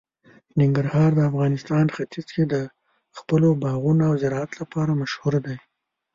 ننګرهار د افغانستان ختیځ کې د خپلو باغونو او زراعت لپاره مشهور دی.